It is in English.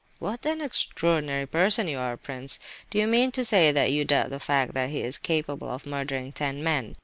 "What an extraordinary person you are, prince! Do you mean to say that you doubt the fact that he is capable of murdering ten men?"